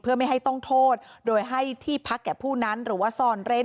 เพื่อไม่ให้ต้องโทษโดยให้ที่พักแก่ผู้นั้นหรือว่าซ่อนเร้น